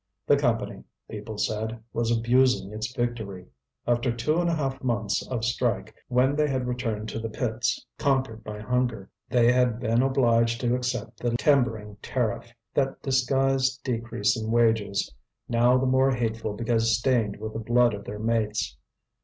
The Company, people said, was abusing its victory. After two and a half months of strike, when they had returned to the pits, conquered by hunger, they had been obliged to accept the timbering tariff, that disguised decrease in wages, now the more hateful because stained with the blood of their mates.